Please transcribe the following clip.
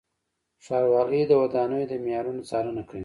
ښاروالۍ د ودانیو د معیارونو څارنه کوي.